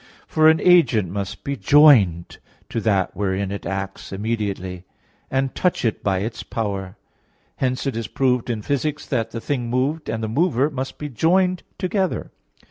For an agent must be joined to that wherein it acts immediately and touch it by its power; hence it is proved in Phys. vii that the thing moved and the mover must be joined together.